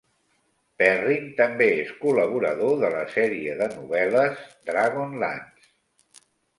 Perrin també és col·laborador de la serie de novel·les Dragonlance.